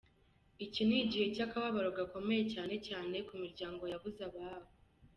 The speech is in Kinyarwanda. Iki ni igihe cy’akababaro gakomeye cyane cyane ku miryango yabuze ababo.